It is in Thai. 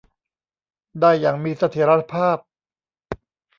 ได้อย่างมีเสถียรภาพ